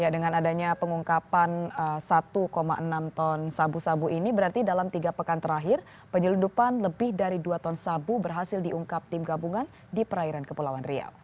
dengan adanya pengungkapan satu enam ton sabu sabu ini berarti dalam tiga pekan terakhir penyelundupan lebih dari dua ton sabu berhasil diungkap tim gabungan di perairan kepulauan riau